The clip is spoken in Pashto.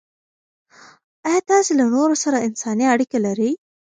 آیا تاسې له نورو سره انساني اړیکې لرئ؟